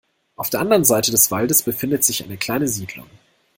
Auf der anderen Seite des Waldes befindet sich eine kleine Siedlung.